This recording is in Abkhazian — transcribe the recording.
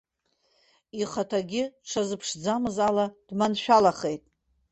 Ихаҭагьы дшазыԥшӡамыз ала дманшәалахеит.